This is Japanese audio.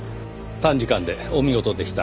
短時間でお見事でした。